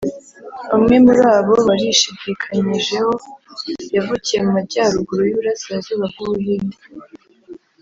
umwe muri abo barishidikanyijeho yavukiye mu majyaruguru y’uburasirazuba bw’u buhindi